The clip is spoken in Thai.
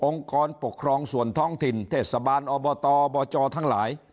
กรปกครองส่วนท้องถิ่นเทศบาลอบตอบจทั้งหลาย